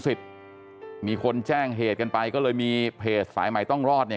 มีคนแจ้งเหตุกันไปก็เลยมีเพจสายใหม่ต้องรอดเนี่ย